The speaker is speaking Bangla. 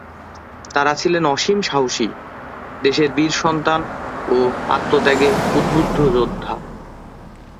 তারা ছিলেন অসীম সাহসী, দেশের বীর সন্তান ও আত্মত্যাগে উদ্বুদ্ধ যোদ্ধা।